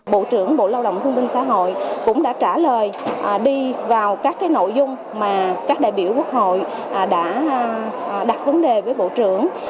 bộ trưởng bộ lao động thương binh xã hội cũng đã trả lời đi vào các nội dung mà các đại biểu quốc hội đã đặt vấn đề với bộ trưởng